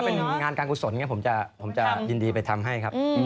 แต่ถ้ามันเป็นงานการลูกสนผมจะยินดีไปทำให้ครับ